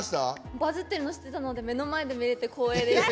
バズってたの知ってたので目の前で見れて光栄でした。